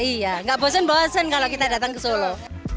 iya nggak bosen bosen kalau kita datang ke solo